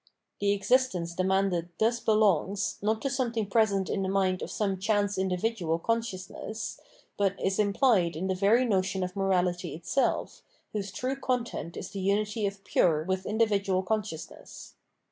The existence demanded thus belongs, not to something present in the mind of some chance individual con sciousness, but is implied in the very notion of morality itself, whose true content is the unity of pure with individual consciousness.